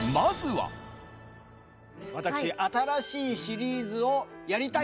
私新しいシリーズをやりたいと！